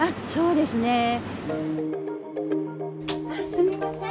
すみません。